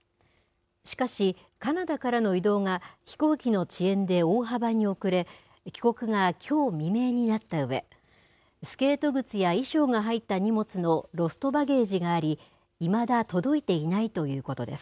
しかし、カナダからの移動が飛行機の遅延で大幅に遅れ、帰国がきょう未明になったうえ、スケート靴や衣装が入った荷物のロストバゲージがあり、いまだ届いていないということです。